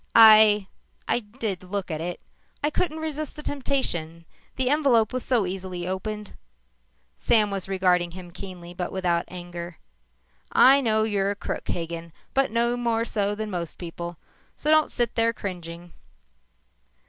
"I I did look at it. I couldn't resist the temptation. The envelope was so easily opened." Sam was regarding him keenly but without anger. "I know you're a crook, Hagen, but no more so than most people. So don't sit there cringing."